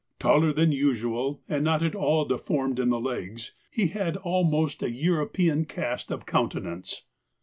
Taller than usual, and not at all deformed in the legs, he had almost a European cast of countenance.